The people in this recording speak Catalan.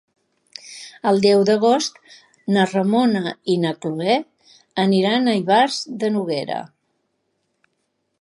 El deu d'agost na Ramona i na Cloè aniran a Ivars de Noguera.